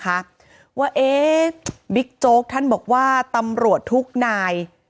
ว่าเอ๊ะบิ๊กโจ๊กท่านบอกว่าตำรวจทุกนาย